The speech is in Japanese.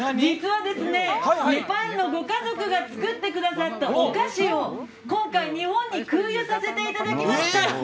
実はですね、ネパールのご家族が作ってくださったお菓子を今回、日本に空輸させていただきました。